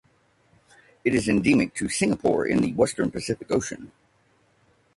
It is endemic to Singapore in the Western Pacific Ocean.